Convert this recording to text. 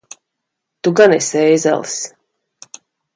Tu gan esi ēzelis!